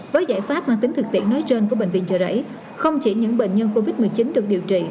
với giải pháp mang tính thực tiễn nói trên của bệnh viện trợ rẫy không chỉ những bệnh nhân covid một mươi chín được điều trị